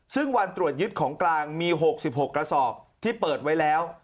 ซึ่งวันตรวจยึดของกลางมี๖๖กระสอบที่เปิดไว้แล้ว